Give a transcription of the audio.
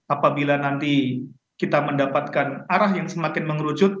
apabila nanti kita mendapatkan arah yang semakin mengerucut